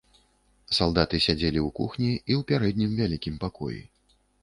Салдаты сядзелі ў кухні і ў пярэднім вялікім пакоі.